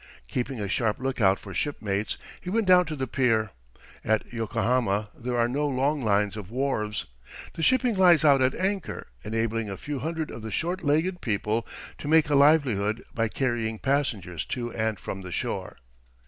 Keeping a sharp lookout for shipmates, he went down to the pier. At Yokohama there are no long lines of wharves. The shipping lies out at anchor, enabling a few hundred of the short legged people to make a livelihood by carrying passengers to and from the shore.